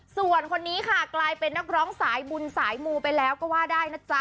ส่วนคนนี้ค่ะกลายเป็นนักร้องสายบุญสายมูไปแล้วก็ว่าได้นะจ๊ะ